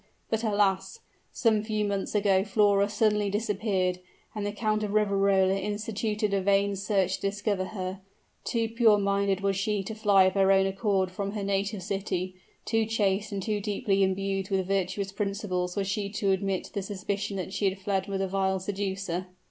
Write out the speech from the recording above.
But alas! some few months ago Flora suddenly disappeared; and the Count of Riverola instituted a vain search to discover her. Too pure minded was she to fly of her own accord from her native city; too chaste and too deeply imbued with virtuous principles was she to admit the suspicion that she had fled with a vile seducer.